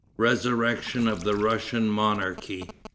RESURRECTION OF THE RUSSIAN MONARCHY.